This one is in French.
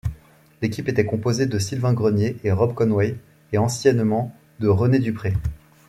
L'équipe était composée de Sylvain Grenier et Rob Conway, et anciennement de René Duprée.